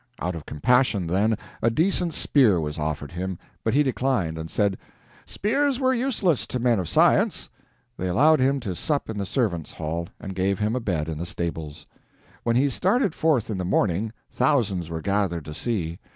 Out of compassion, then, a decent spear was offered him, but he declined, and said, "spears were useless to men of science." They allowed him to sup in the servants' hall, and gave him a bed in the stables. When he started forth in the morning, thousands were gathered to see.